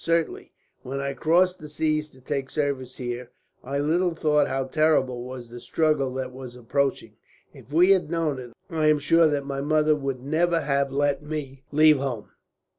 Certainly, when I crossed the seas to take service here, I little thought how terrible was the struggle that was approaching. If we had known it, I am sure that my mother would never have let me leave home."